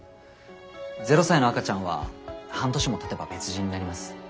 ０歳の赤ちゃんは半年もたてば別人になります。